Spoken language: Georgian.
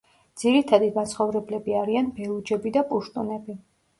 ძირითადი მაცხოვრებლები არიან ბელუჯები და პუშტუნები.